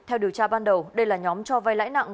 theo điều tra ban đầu đây là nhóm cho vay lãi nặng